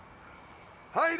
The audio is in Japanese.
はい。